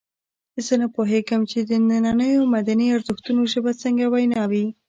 زه نه پوهېږم چې د نننیو مدني ارزښتونو ژبه څنګه وینا وي.